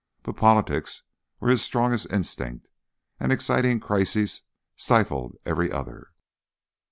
But politics were his strongest instinct, and exciting crises stifled every other.